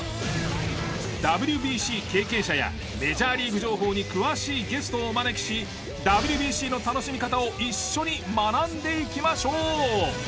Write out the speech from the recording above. ＷＢＣ経験者やメジャーリーグ情報に詳しいゲストをお招きしＷＢＣの楽しみ方を一緒に学んでいきましょう。